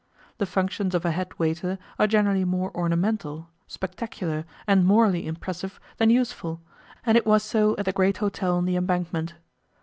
The functions of a head waiter are generally more ornamental, spectacular, and morally impressive than useful, and it was so at the great hotel on the Embankment.